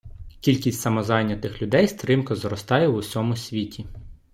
Кількість самозайнятих людей стрімко зростає в усьому світі.